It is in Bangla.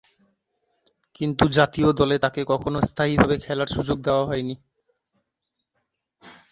কিন্তু, জাতীয় দলে তাকে কখনো স্থায়ীভাবে খেলার সুযোগ দেয়া হয়নি।